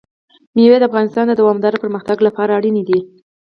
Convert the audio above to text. مېوې د افغانستان د دوامداره پرمختګ لپاره اړین دي.